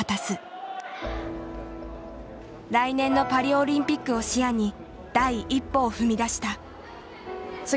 来年のパリオリンピックを視野に第一歩を踏み出した。